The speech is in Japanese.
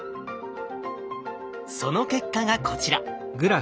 その結果がこちら。